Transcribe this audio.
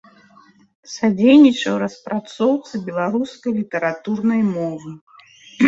Садзейнічаў распрацоўцы беларускай літаратурнай мовы.